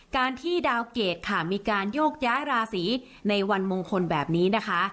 การที่ดาวเกรดค่ะมีการโยกย้ายราศีในวันมงคลแบบนี้นะคะ